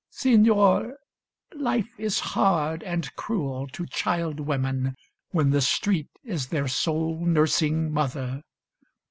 Signor, life is hard And cruel to child women, when the street Is their sole nursing mother.